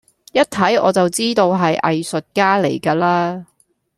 一睇我就知道係藝術家嚟㗎啦